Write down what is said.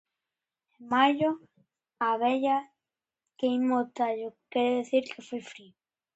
Mayo a vella quiema o tallo quere decir que fai frío.